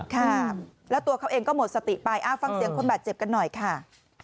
ค่ะแล้วตัวเขาเองก็หมดสติไปฟังเสียงคนบาดเจ็บกันหน่อยค่ะ